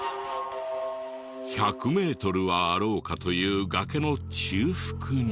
１００メートルはあろうかという崖の中腹に。